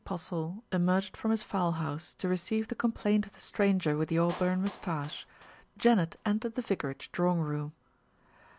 Postle emerged from his fowl house to receive the complaint of the stranger with the auburn moustache, Janet entered the vicarage drawing room.